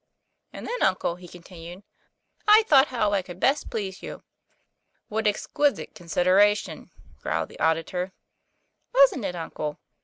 "And then, uncle," he contiuned, "I thought how I could best please you." 'What exquisite consideration," growled the au ditor. 'Wasn't it, uncle